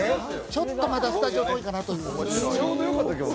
ちょっとまだスタジオ遠いかなっていう。